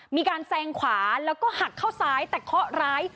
มีการแซงขวาแล้วก็หักเข้าซ้ายแต่เคาะร้าย